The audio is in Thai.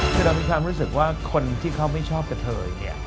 คือเรามีความรู้สึกว่าคนที่เขาไม่ชอบกับเธอ